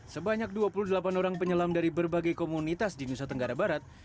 sebanyak dua puluh delapan orang penyelam dari berbagai komunitas di nusa tenggara barat